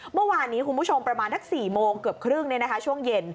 เมื่อวานนี้คุณผู้ชมประมาณสัก๔โมงเกือบครึ่งช่วงเย็น